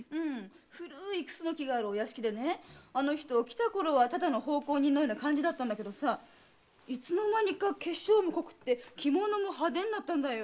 古い楠があるお屋敷でねあの人来たころはただの奉公人のような感じだったけどいつの間にか化粧も濃くて着物も派手になったんだよ。